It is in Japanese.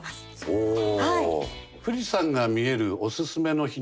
おお！